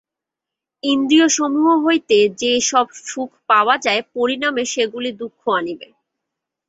ইন্দ্রিয়সমূহ হইতে যে-সব সুখ পাওয়া যায়, পরিণামে সেগুলি দুঃখ আনিবে।